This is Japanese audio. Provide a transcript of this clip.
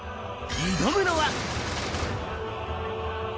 挑むのは。